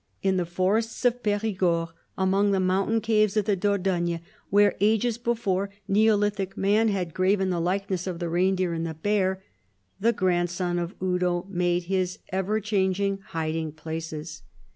In the forests of Perigord, among the mountain caves of the Dordogne where, ages before, neolithic man had graven the likeness of the reindeer and the bear,* the grandson of Eudo made his ever changing hiding places.